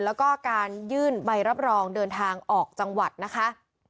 แล้วก็การยื่นใบรับรองเดินทางออกจังหวัดนะคะ